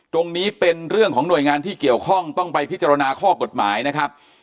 ตรงนี้เป็นเรื่องของหน่วยงานที่เกี่ยวข้องต้องไปพิจารณาข้อกฎหมายนะครับ